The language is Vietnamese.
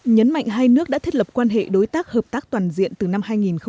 nhấn mạnh hai nước đã thiết lập quan hệ đối tác hợp tác toàn diện từ năm hai nghìn một mươi